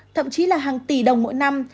thậm chí là hàng tỷ đồng mỗi năm